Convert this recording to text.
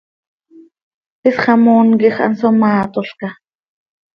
Isxamón quij hanso maatolca.